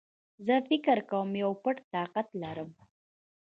زه فکر کوم يو پټ طاقت لرم